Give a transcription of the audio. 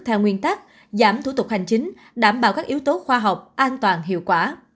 theo nguyên tắc giảm thủ tục hành chính đảm bảo các yếu tố khoa học an toàn hiệu quả